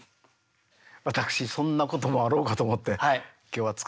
私そんなこともあろうかと思って今日は作ってまいりました。